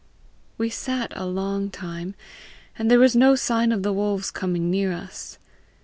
"We sat a long time, and there was no sign of the wolves coming near us.